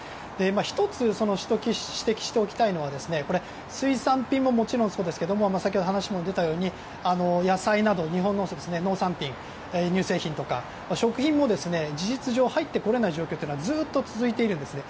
１つ、指摘しておきたいのは水産品ももちろんそうですが先ほど話にも出たように野菜など、日本の農産品乳製品とか食品も事実上、入ってこれない状況はずっと続いているんですね。